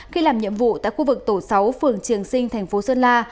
khi làm nhiệm vụ tại khu vực tổ sáu phường trường sinh tp sơn la